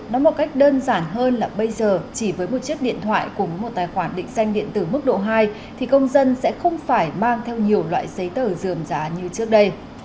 nó một cách đơn giản hơn là bây giờ chỉ với một chiếc điện thoại cùng với một tài khoản định danh điện tử mức độ hai thì công dân sẽ không phải mang theo nhiều loại giấy tờ dườm giá như trước đây